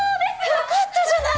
良かったじゃない。